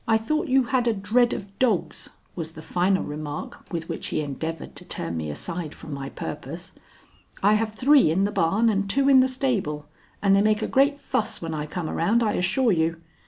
"I thought you had a dread of dogs," was the final remark with which he endeavored to turn me aside from my purpose. "I have three in the barn and two in the stable, and they make a great fuss when I come around, I assure you."